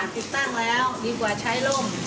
ติดตั้งแล้วดีกว่าใช้ร่ม